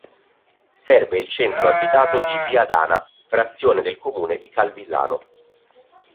Serve il centro abitato di Viadana, frazione del comune di Calvisano.